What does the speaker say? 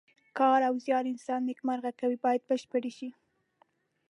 کار او زیار انسان نیکمرغه کوي باید بشپړ شي.